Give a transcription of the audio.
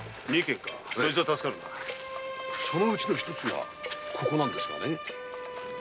そのうちの一つがここですが。